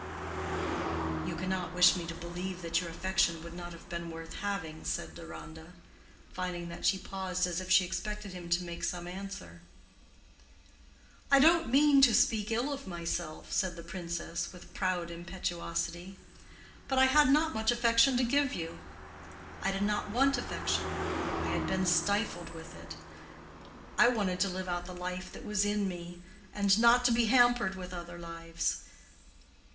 "You cannot wish me to believe that your affection would not have been worth having," said Deronda, finding that she paused as if she expected him to make some answer. "I don't mean to speak ill of myself," said the princess, with proud impetuosity, "But I had not much affection to give you. I did not want affection. I had been stifled with it. I wanted to live out the life that was in me, and not to be hampered with other lives.